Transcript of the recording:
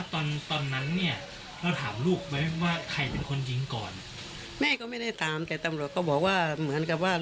ตอนนั้นเราถามลูกว่าใครเป็นคนยิงก่อน